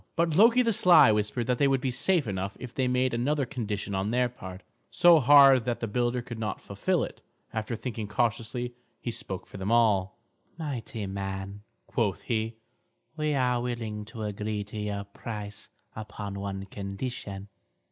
But Loki the sly whispered that they would be safe enough if they made another condition on their part, so hard that the builder could not fulfil it. After thinking cautiously, he spoke for them all. "Mighty man," quoth he, "we are willing to agree to your price upon one condition.